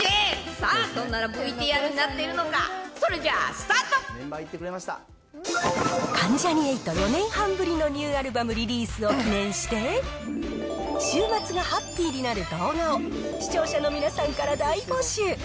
さあ、どんなＶＴＲになっている関ジャニ∞、４年半ぶりのニューアルバムリリースを記念して、週末がハッピーになる動画を視聴者の皆さんから大募集！